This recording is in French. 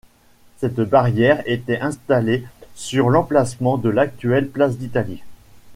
Cette barrière était installée sur l'emplacement de l'actuelle place d'Italie.